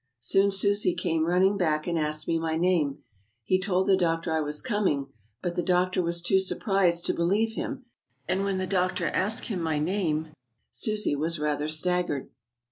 Soon Susi came running back, and asked me my name ; he told the doctor I was coming, but the doctor was too surprised to believe him, and when the doctor asked him my name, Susi was rather staggered.